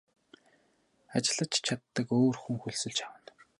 Ажиллаж чаддаг өөр хүн хөлсөлж авна.